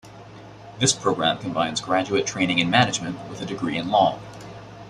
This program combines graduate training in management with a degree in law.